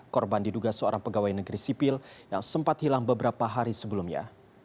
korban diduga seorang pegawai negeri sipil yang sempat hilang beberapa hari sebelumnya